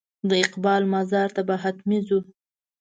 د اقبال مزار ته به حتمي ځو.